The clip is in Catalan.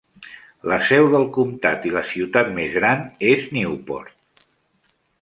La seu del comtat i la ciutat més gran és Newport.